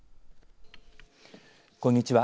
こんにちは。